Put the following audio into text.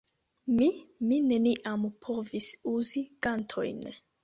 Mi, mi neniam povis uzi gantojn.